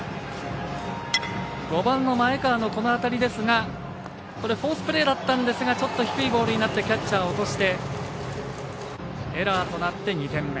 ５番の前川のこの当たりフォースプレーだったんですがちょっと低いボールになってキャッチャー落としてエラーとなって２点目。